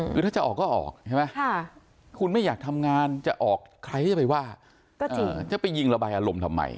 คือถ้าจะออกก็ออกใช่ไหมคุณไม่อยากทำงานจะออกใครที่จะไปว่าจะไปยิงระบายอารมณ์ทำไม